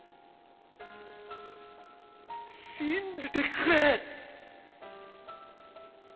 ⁉信じてくれ。